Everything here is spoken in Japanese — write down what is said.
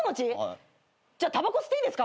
じゃあたばこ吸っていいですか？